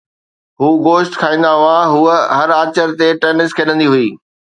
هو گوشت کائيندا هئا، هوءَ هر آچر تي ٽينس کيڏندي هئي